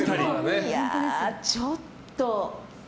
いやあ、ちょっと。